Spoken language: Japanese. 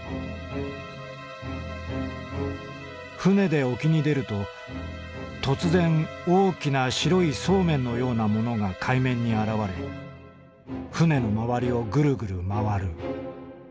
「舟で沖に出ると突然大きな白い素麺のようなものが海面に現れ舟のまわりをグルグルまわる。